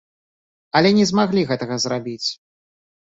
Але не змаглі гэтага зрабіць.